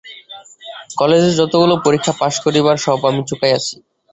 কলেজে যতগুলো পরীক্ষা পাস করিবার সব আমি চুকাইয়াছি।